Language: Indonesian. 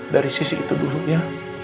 dari sisi itu dulu ya